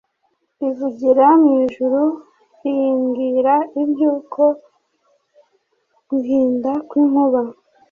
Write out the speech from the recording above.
rivugira mu ijuru rimbwira Iby ‘ uko guhinda kw’inkuba.